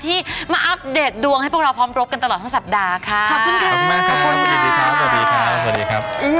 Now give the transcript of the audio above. ที่มาอัปเดตดวงให้พวกเราพร้อมรบกันตลอดสั้นสัปดาห์